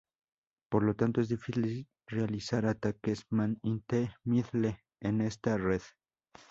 Por lo tanto es difícil realizar ataques Man-in-the-middle en esta red.